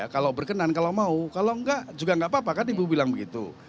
kalau berkenan kalau mau kalau enggak juga enggak apa apa kan ibu bilang begitu